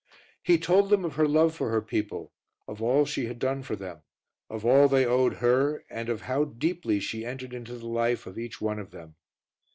He told them of her love for her people, of all she had done for them, of all they owed her and of how deeply she entered into the life of each one of them.